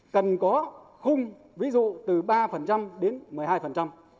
cần có khung ví dụ từ ba đến một mươi hai